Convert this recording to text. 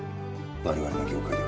我々の業界では。